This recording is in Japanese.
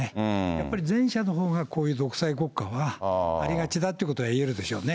やっぱり前者のほうがこういう独裁国家はありがちだということはいえるでしょうね。